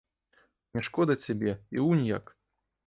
Мне шкода цябе і унь як!